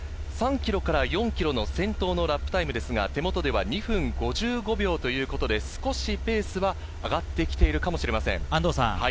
３ｋｍから４ｋｍの先頭のラップタイムですが、手元では２分５５秒ということで、少しペースは上がってきているかもしれません。